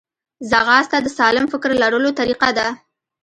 ځغاسته د سالم فکر لرلو طریقه ده